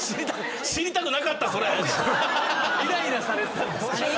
イライラされてたんですか